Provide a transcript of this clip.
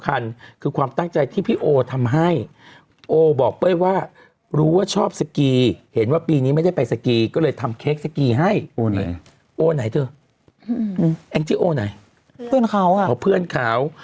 แอ็งเจ้าโอ้ไหนเพื่อนเขาอะเพื่อนเขา